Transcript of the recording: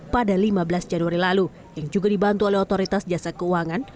pada lima belas januari lalu yang juga dibantu oleh otoritas jasa keuangan